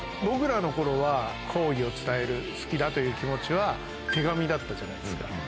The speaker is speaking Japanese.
僕らの頃は好意を伝える好きだという気持ちは手紙だったじゃないですか